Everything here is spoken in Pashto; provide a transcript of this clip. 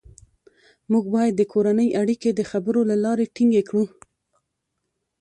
موږ باید د کورنۍ اړیکې د خبرو له لارې ټینګې کړو